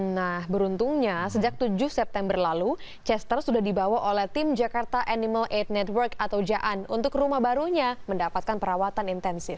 nah beruntungnya sejak tujuh september lalu chester sudah dibawa oleh tim jakarta animal aid network atau jaan untuk rumah barunya mendapatkan perawatan intensif